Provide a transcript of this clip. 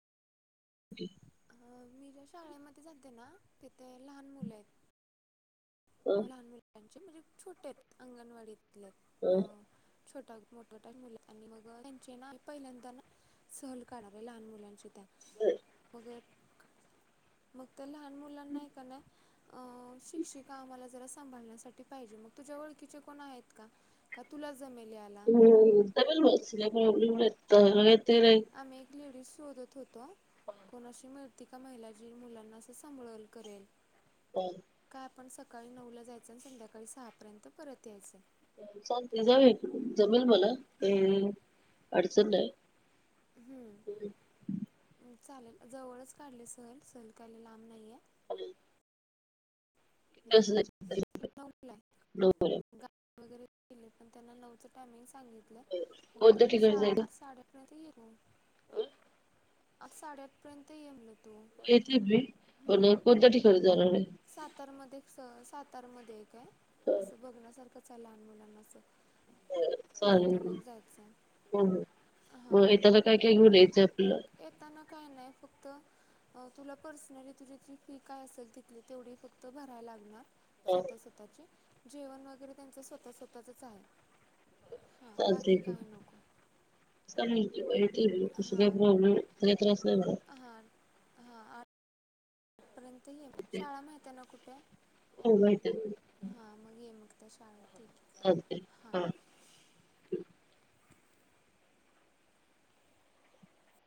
े मी ज्या शाळेमध्ये जाते ना, तिथे लहान मुलं आहेत. लहान मुलांचे म्हणजे छोटे आहेत, अंगणवाडीतले. आहेत अ हम्म. छोटा मोठ्या मुला आणि मग त्यांचे ना पहिल्यांदा ना सहल काढणार आहे लहान मुलांची त्या. जमेल अगर मग तर लहा लहान मुलांना एखाद्या अ- शिक्षिक का आम्हाला जरा सांभाळण्यासाठी पाहिजे. तुझ्या ओळखीचे कोणी आहे का? का तुला जमेल याला हो त्या प बस प्रॉब्लेमत आम एक लेडीस शोधत होतो कोणाशी मिळती का महिला जी मुलांना असं सांभाल करेल होम काय आपण सकाळी नऊ ला जायचं आणि संध्याकाळी सहा पर्यंत परत यायचं चालते जाऊया की जमेल मला अ अ अडचण नाही हम्म हो चालेल जवळच काढले सहल सहल काही लांब नाहीये मग [inaudible] बर वरे के पण त्यां नवचं टामिंग सांगितलंय मग तो कोणत्या ठिकाणी सा जायचं? साडेपर्यंतेत हो आता साडेआठ पर्यंत येमल येतेच मी पण कोणत्या ठिकाणी जाणार आहे सातार मध्ये काय असं बघण्यासारखं त्या लहान मुलांनाचं चालेल तिथं हो मग जायचं हो हा मग येताना काय काय घेऊन यायचं आपल्याला? येता न काय नाही फक्त तुला पर्सनली तुझी त फी काय असेल तिथली तेवढी फक्त भरायला लागणार हा स्वतः स्वतःची जेवण वगैरे त्यांच स्वतः स्वततच आहे हां चालतेय बाकी क काय नको य तस काय हां प्रॉब्लेम काय त्रास नाही बला हा शाळा माह ना कुठ [inaudible] हो काय तर शाळेतठी अछ हा